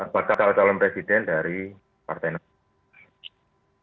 bakal calon presiden dari partai nasdem